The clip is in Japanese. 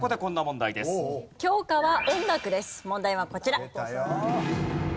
問題はこちら。